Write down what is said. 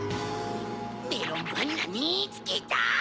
メロンパンナみつけた！